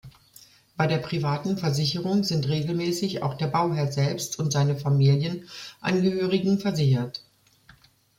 Bei der privaten Versicherung sind regelmäßig auch der Bauherr selbst und seine Familienangehörigen versichert.